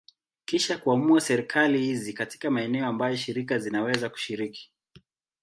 Kisha kuamua serikali hizi katika maeneo ambayo shirika zinaweza kushiriki.